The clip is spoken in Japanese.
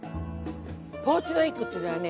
ポーチドエッグっていうのはね